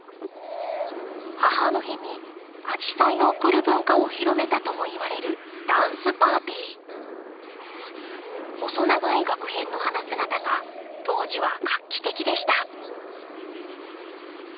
母の日にアジサイを贈る文化を広めたともいわれる細長いガク片の花姿が当時は画期的でした。